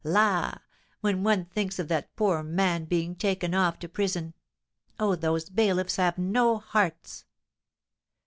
La! when one thinks of that poor man being taken off to prison oh, those bailiffs have no hearts!"